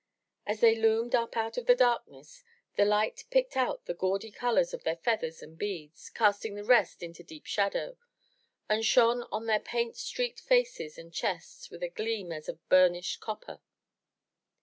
As they loomed up out of the darkness, the light picked out the gaudy colors in their feathers and beads, casting the rest into deep shadow, and shone on their paint streaked faces and chests with a gleam as of burnished copper.